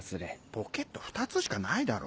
ポケット２つしかないだろ。